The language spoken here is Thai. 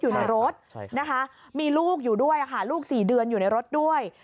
อยู่ในรถนะคะมีลูกอยู่ด้วยค่ะลูก๔เดือนอยู่ในรถด้วย